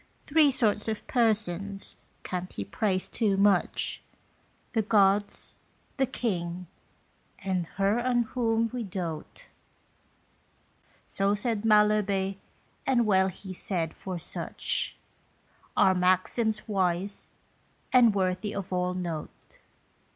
Three sorts of persons can't he praised too much: The Gods, the King, and her on whom we doat. So said Malherbe, and well he said, for such Are maxims wise, and worthy of all note.